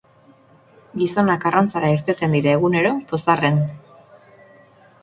Gizonak arrantzara irteten dira egunero, pozarren.